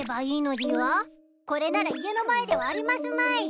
これなら家の前ではありますまい。